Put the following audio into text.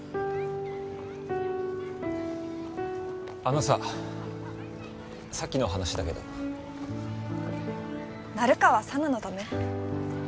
あのささっきの話だけど成川佐奈のため？